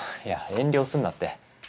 いや遠慮するなって。